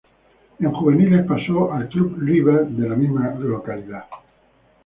En juveniles pasó al Club River de la misma localidad.